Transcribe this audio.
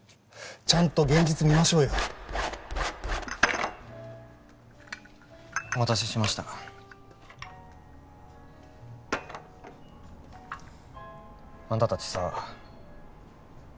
ちゃんと現実見ましょうよお待たせしましたあんた達さあ